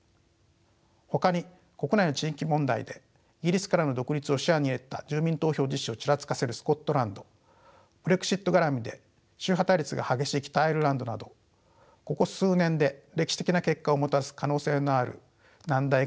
ほかに国内の地域問題でイギリスからの独立を視野に入れた住民投票実施をちらつかせるスコットランドブレグジットがらみで宗派対立が激しい北アイルランドなどここ数年で歴史的な結果をもたらす可能性のある難題が山積みです。